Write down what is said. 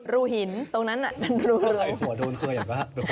รูหินตรงนั้นน่ะเป็นรูหู